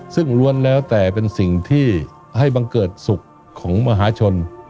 ซึ่งล้วนแล้วแต่เป็นสิ่งที่ให้บังเกิดสุขของมหาชน